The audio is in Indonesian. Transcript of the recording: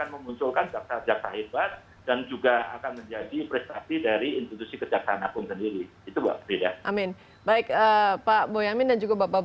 atau dari pengusaha yang memimpinnya oke